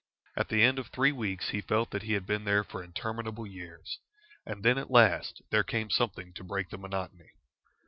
At the end of three weeks he felt that he had been there for interminable years. And then at last there came something to break the monotony.